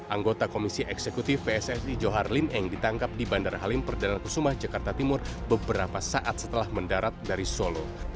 anggota komisi eksekutif pssi johar lin eng ditangkap di bandara halim perdana kusumah jakarta timur beberapa saat setelah mendarat dari solo